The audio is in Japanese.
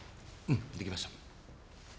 うん出来ました。